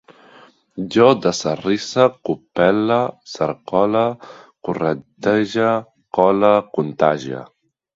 Jo desarrisse, copel·le, cercole, corretege, cole, contagie